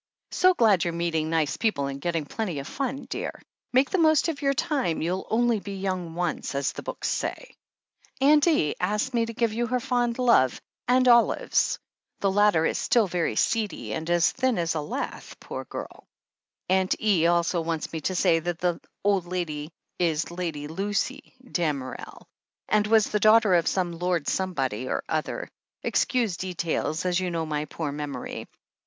So glad you're meeting nice people and getting plenty of fun, dear. Make the most of your time — ^you'll only be yoimg once, as the books say. Atuit E. asks me to give you her fond love THE HEEL OF ACHILLES 283 and Olive's — the latter is still very seedy, and as thin as a lath, poor girl I Atint E. also wants me to say that the old lady is Lady Lacy Damerel, and was the daughter of some Lord Somebody or other — excuse details, as you know my poor memory.